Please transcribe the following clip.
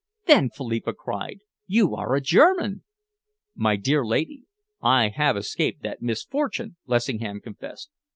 "Then," Philippa cried, "you are a German!" "My dear lady, I have escaped that misfortune," Lessingham confessed.